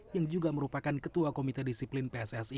yang juga merupakan ketua komite disiplin pssi